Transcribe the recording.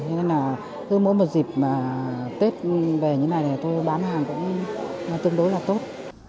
thế nên là cứ mỗi một dịp mà tết về như này thì tôi bán hàng cũng tương đối là tốt